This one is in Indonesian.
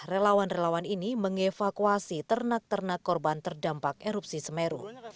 relawan relawan ini mengevakuasi ternak ternak korban terdampak erupsi semeru